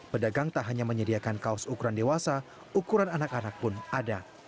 pedagang tak hanya menyediakan kaos ukuran dewasa ukuran anak anak pun ada